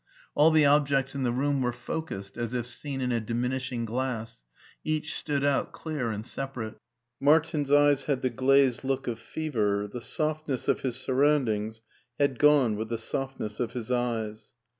All the objects in the room were focused as if s^n in a diminishing glass; each stood out clear and separate. Martin's eyes had the glazed look of fever : the softness of his surroundings had gone with the softness of his eyes.